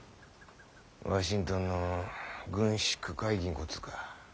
ワシントンの軍縮会議んこつか。